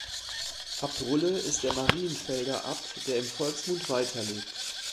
Abt Rulle ist der Marienfelder Abt, der im Volksmund weiterlebt.